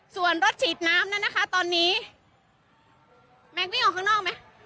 ส่วนรถฉีดน้ำนั้นนะคะตอนนี้แม็กซวิ่งออกข้างนอกไหม